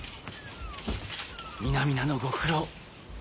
皆々のご苦労